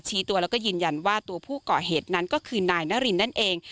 ตัวแล้วก็ยืนยันว่าตัวผู้ก่อเหตุนั้นก็คือนายนารินนั่นเอง